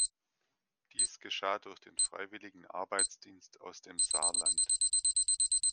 Dies geschah durch den Freiwilligen Arbeitsdienst aus dem Saarland.